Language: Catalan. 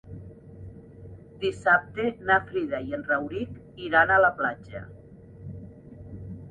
Dissabte na Frida i en Rauric iran a la platja.